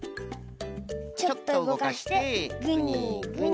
ちょっとうごかしてグニグニ。